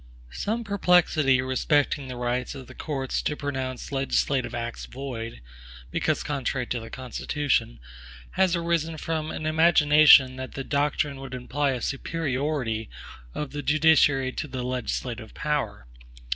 Some perplexity respecting the rights of the courts to pronounce legislative acts void, because contrary to the Constitution, has arisen from an imagination that the doctrine would imply a superiority of the judiciary to the legislative power.